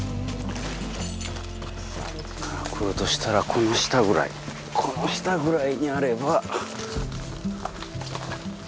来るとしたらこの下ぐらいこの下ぐらいにあれば。